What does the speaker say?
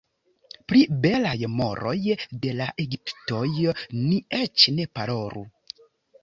Pri belaj moroj de la egiptoj ni eĉ ne parolu.